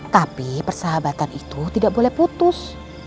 tapi persahabatan itu tidak boleh putus